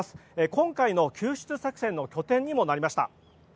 今回の救出作戦の拠点にもなりました。